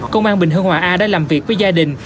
công an bình hương hòa a đã làm việc với gia đình